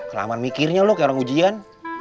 kelaman mikirnya lo kayak orang ujian